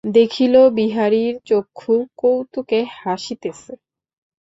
দেখিল, বিহারীর চক্ষু কৌতুকে হাসিতেছে।